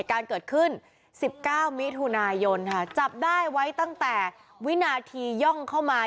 การเกิดขึ้น๑๙มิถุนายนค่ะจับได้ไว้ตั้งแต่วินาทีย่องเข้ามา